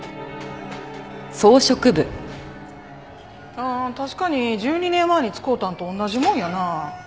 ああ確かに１２年前に使うたんと同じもんやなあ。